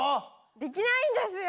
できないんですよ！